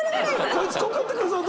こいつ告ってくるぞと。